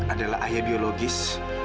adalah ayah biologis